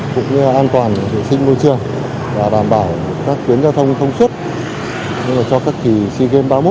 cũng như an toàn vệ sinh môi trường và đảm bảo các tuyến giao thông thông suất cho các kỳ si game ba mươi một